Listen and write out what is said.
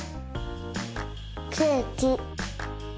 ケーキ。